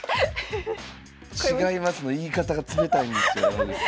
「違います」の言い方が冷たいんですよ山口さん。